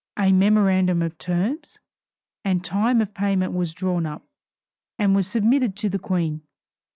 A memorandum of terms and time of payment was drawn up, and was submitted to the Queen.